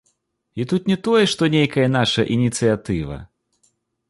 І тут не тое, што нейкая наша ініцыятыва.